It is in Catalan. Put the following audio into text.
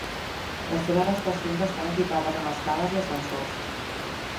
Les seves estacions estan equipades amb escales i ascensors.